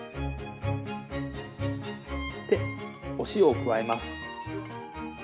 でお塩を加えます。